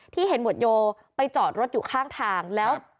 ที่เห็นหมวดโยไปจอดรถอยู่ข้างทางแล้ว